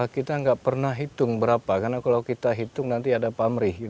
kita nggak pernah hitung berapa karena kalau kita hitung nanti ada pamrih